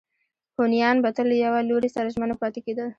هونیان به تل له یوه لوري سره ژمن نه پاتې کېدل.